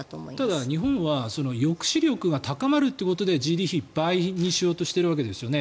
ただ、日本は抑止力が高まるということでＧＤＰ比、倍にしようとしてるわけですよね。